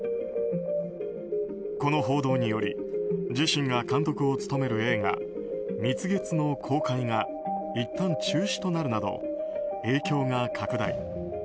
この報道により自身が監督を務める映画「蜜月」の公開がいったん中止となるなど影響が拡大。